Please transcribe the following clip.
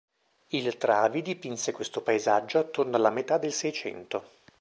Il Travi dipinse questo paesaggio attorno alla metà del Seicento.